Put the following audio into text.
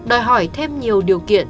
đòi hỏi thêm nhiều điều kiện